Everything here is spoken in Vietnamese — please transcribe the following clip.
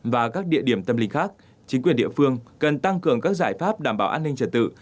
và các địa điểm tâm lý khác chính quyền địa phương cần tăng cường các giải pháp đảm bảo an ninh trật tự